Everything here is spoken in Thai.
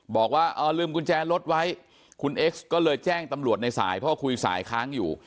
บอกว่าลืมกุญแจรถไว้คุณเอ็กซ์ก็เลยแจ้งตำรวจในสายเพราะคุยสายค้างอยู่